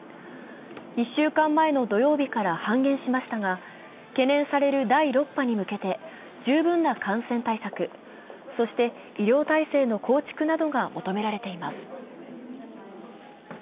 １週間前の土曜日から半減しましたが、懸念される第６波に向けて十分な感染対策、そして医療体制の構築などが求められています。